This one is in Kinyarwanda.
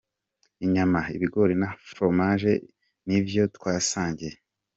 Inyama, ibigori na fromage ni vyo twasangiye.